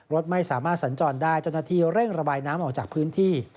รถไม่สามารถสัญจรได้เจ้าหน้าที่เร่งระบายน้ำออกจากพื้นที่